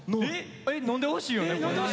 飲んでほしいよね。